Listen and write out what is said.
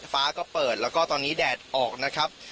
ฟ้าก็เปิดแล้วก็ตอนนี้แดดออกนะครับ